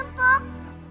papa boleh jeput